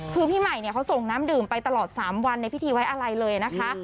คือพี่ใหม่เนี่ยเขาส่งน้ำดื่มไปตลอด๓วันในพิธีไว้อะไรเลยนะคะ